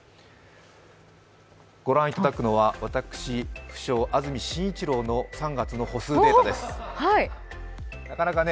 ご覧いただくのは私、不肖・安住紳一郎の３月の歩数です。